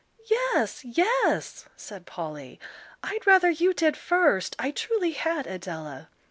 "Yes, yes," said Polly, "I'd rather you did first; I truly had, Adela."